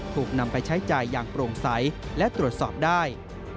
ถูกนำไปใช้จ่ายอย่างโปร่งใสและตรวจสอบได้